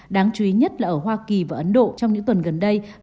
đáng chú ý nhất là ở hoa kỳ và ấn độ trong những tuần gần đây